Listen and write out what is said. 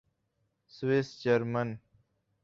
Swiss German